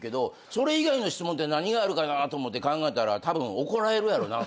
それ以外の質問って何があるかなと思って考えたら。